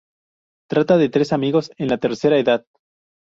Trata de tres amigos en la tercera edad.